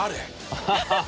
アハハハ！